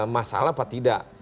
masalah apa tidak